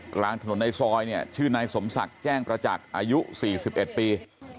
กลางถนนในซอยเนี่ยชื่อนายสมศักดิ์แจ้งประจักษ์อายุ๔๑ปี